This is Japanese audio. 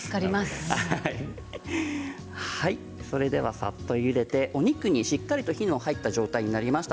さっとゆでてお肉にしっかりと火が入った状態になりました。